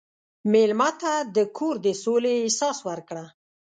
مېلمه ته د کور د سولې احساس ورکړه.